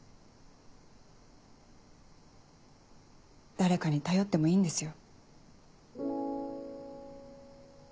誰かに頼ってもいいんですよ。